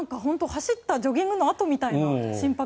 走ったジョギングのあとみたいな。